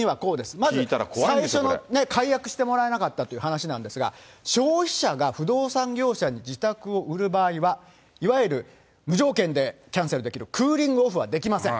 まず最初の解約してもらえなかったという話なんですが、消費者が不動産業者に自宅を売る場合は、いわゆる無条件でキャンセルできるクーリングオフはできません。